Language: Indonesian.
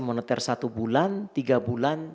moneter satu bulan tiga bulan